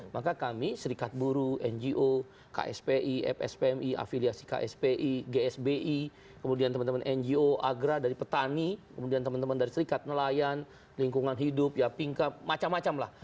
maka kami serikat buru ngo kspi fspmi afiliasi kspi gsbi kemudian teman teman ngo agra dari petani kemudian teman teman dari serikat nelayan lingkungan hidup ya pingka macam macam lah